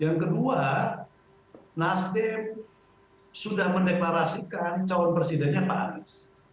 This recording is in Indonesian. yang kedua nasdem sudah mendeklarasikan calon presidennya pak anies